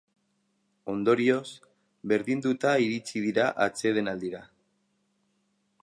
Ondorioz, berdinduta iritsi dira atsedenaldira.